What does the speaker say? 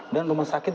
dan rumah sakit